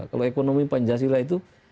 kalau ekonomi pancasila itu